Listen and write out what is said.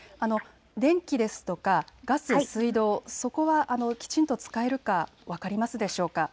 電気ですとかガス、水道、そこはきちんと使えるか分かりますでしょうか。